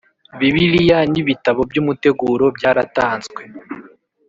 Bibiliya n ibitabo by umuteguro byaratanzwe